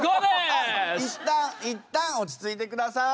あっいったんいったん落ち着いてください。